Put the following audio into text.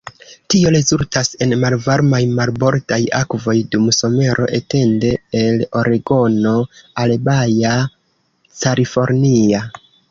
Tio rezultas en malvarmaj marbordaj akvoj dum somero, etende el Oregono al Baja California.